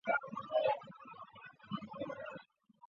旧长型大厦或长型大厦是香港公共屋邨大厦的一种。